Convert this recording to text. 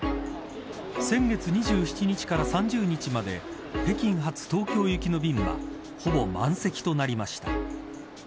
先月２７日から３０日まで北京発東京行きの便はほぼ満席となりました。